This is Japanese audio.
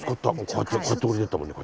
こうやってこうやって下りてったもんね